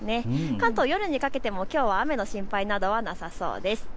関東、夜にかけてもきょうは雨の心配などはなさそうです。